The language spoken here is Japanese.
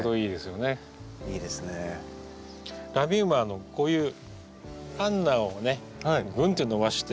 ラミウムはこういうランナーをねぐんと伸ばして。